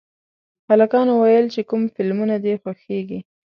هلکانو ویل چې کوم فلمونه دي خوښېږي